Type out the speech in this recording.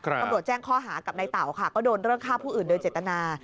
ตำรวจแจ้งข้อหากับในเต่าค่ะก็โดนเรื่องฆ่าผู้อื่นโดยเจตนา